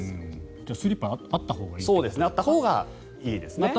じゃあ、スリッパはあったほうがいいってこと？